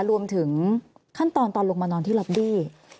รวมถึงขั้นตอนตอนลงมานอนที่ล็อบบี้